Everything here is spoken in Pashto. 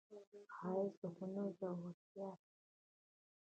ښایست د هنر زړورتیا ده